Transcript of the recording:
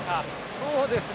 そうですね。